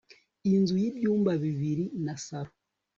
inzu yibyumba bibiri nasaro